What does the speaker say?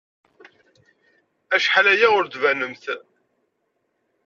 Acḥal aya ur d-tbanemt.